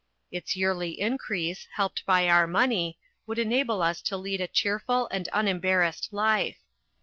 Its yearly increase, helped by our money, would enable us to lead a cheerful and unembarrassed life.